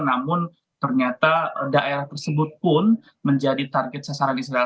namun ternyata daerah tersebut pun menjadi target sasaran israel